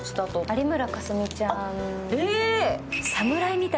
有村架純ちゃん。